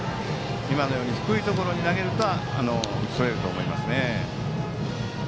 今のように低いところに投げるととれると思いますね。